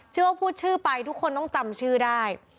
ว่าพูดชื่อไปทุกคนต้องจำชื่อได้